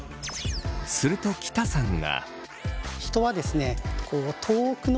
すると喜田さんが。